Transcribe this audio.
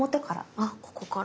あっここから。